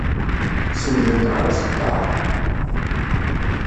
Senndent ɣer uṣeddar.